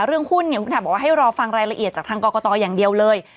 เรื่องหุ้นเนี่ยคุณถามบอกว่าให้รอฟังรายละเอียดจากทางกรกตอย่างเดียวเลย